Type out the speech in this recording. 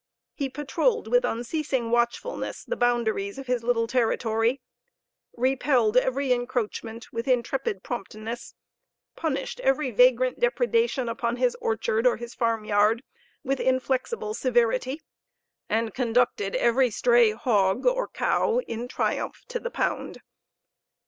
He patroled with unceasing watchfulness the boundaries of his little territory, repelled every encroachment with intrepid promptness: punished every vagrant depredation upon his orchard or his farmyard with inflexible severity, and conducted every stray hog or cow in triumph to the pound.